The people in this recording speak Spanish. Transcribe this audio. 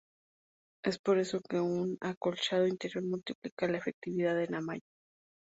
Es por eso que un acolchado interior multiplica la efectividad de la malla.